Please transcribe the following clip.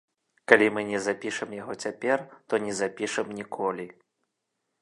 Калі мы не запішам яго цяпер, то не запішам ніколі.